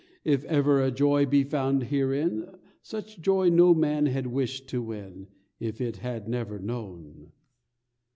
If ever a joy be found herein, Such joy no man had wished to win If he had never known!"